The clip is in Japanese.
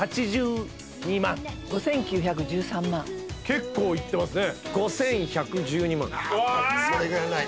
結構いってますね。